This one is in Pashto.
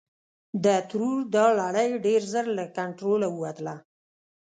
د ترور دا لړۍ ډېر ژر له کنټروله ووتله.